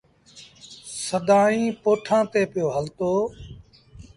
سدائيٚݩ پوٺآن تي پيو هلتو۔